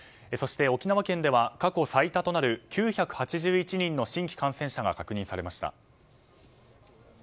そして、沖縄県では過去最多となる９８１人の新規感染者が確認されました。